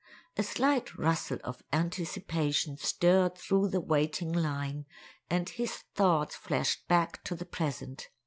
A slight rustle of anticipation stirred through the waiting line and his thoughts flashed back to the present.